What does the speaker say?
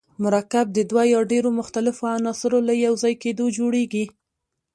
مرکب د دوه یا ډیرو مختلفو عناصرو له یوځای کیدو جوړیږي.